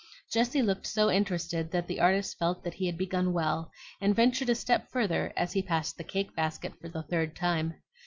Jessie looked so interested that the artist felt that he had begun well, and ventured a step further as he passed the cake basket for the third time.